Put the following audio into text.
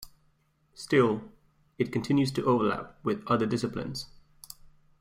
Still, it continues to overlap with other disciplines.